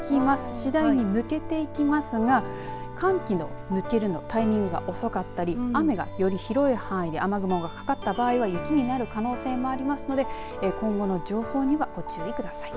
次第に抜けていきますが寒気の抜けるタイミングが遅かったり雨が、より広い範囲で雨雲がかかった場合は雪になる可能性もありますので今後の情報にはご注意ください。